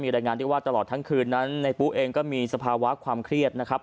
รายงานได้ว่าตลอดทั้งคืนนั้นในปุ๊เองก็มีสภาวะความเครียดนะครับ